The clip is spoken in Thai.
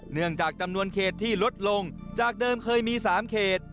เนื่องจากจำนวนเขตที่ลดลงจากเดิมเคยมี๓เขต